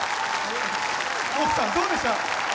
郷さん、どうでした？